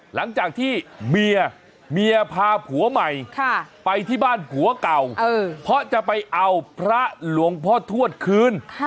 หลังจากที่เมียเมียพาผัวใหม่ไปที่บ้านผัวเก่าเพราะจะไปเอาพระหลวงพ่อทวดคืน